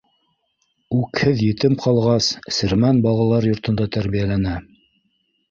Үкһеҙ етем ҡалғас, Сермән балалар йортонда тәрбиәләнә.